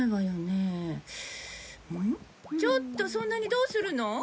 ちょっとそんなにどうするの？